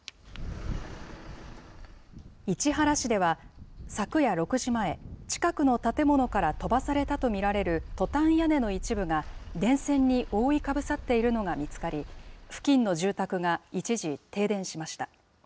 市原市では、昨夜６時前、近くの建物から飛ばされたと見られるトタン屋根の一部が、電線に覆いかぶさっているのが見つかり、付近の住宅が一時停電しました。